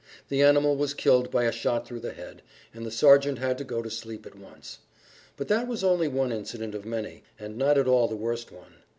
The animal was killed by a shot through the head, and the sergeant had to go to sleep at once. But that was only one incident of many, and not at all the worst one.